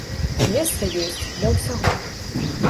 Месца ёсць для ўсяго.